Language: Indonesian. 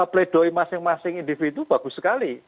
play doh masing masing individu bagus sekali